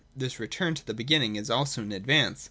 This return to the beginning is also an advance.